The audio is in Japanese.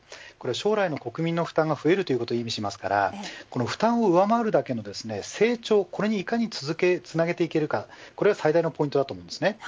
将来の国民の負担が増えることを意味しますから負担を上回るだけの成長にいかにつなげられるかが最大のポイントです。